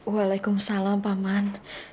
waalaikumsalam pa'a man